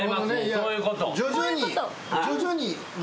そういうこと。